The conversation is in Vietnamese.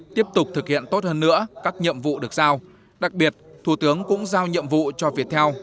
tiếp tục thực hiện tốt hơn nữa các nhiệm vụ được giao đặc biệt thủ tướng cũng giao nhiệm vụ cho viettel